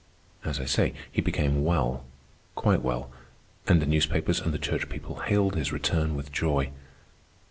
As I say, he became well, quite well, and the newspapers and the church people hailed his return with joy.